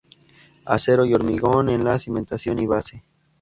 Acero y hormigón en la cimentación y base.